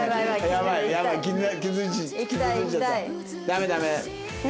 ダメダメ。